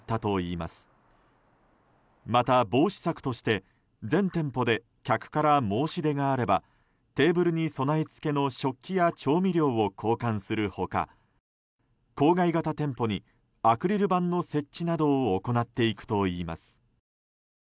また、防止策として全店舗で客から申し出があればテーブルに備え付けの食器や調味料を交換する他郊外型店舗にアクリル板の設置などを行っていくといいます。